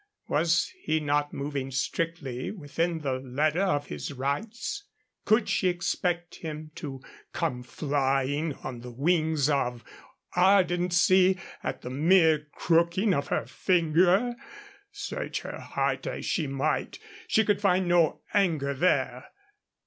Was he not moving strictly within the letter of his rights? Could she expect him to come flying on wings of ardency at the mere crooking of her finger? Search her heart as she might, she could find no anger there.